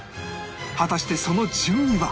果たしてその順位は？